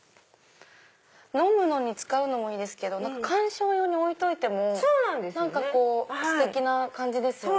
飲むのに使うのもいいですけど鑑賞用に置いといてもステキな感じですよね。